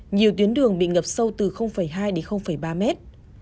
nhiều tuyến đường bị ngập sâu từ hai đến ba mét